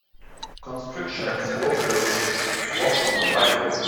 Constructions workers work on a railroad.